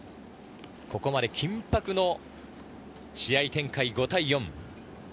ここまで緊迫の試合展開５対４。